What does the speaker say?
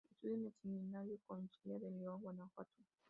Estudió en el "Seminario Conciliar" de León, Guanajuato.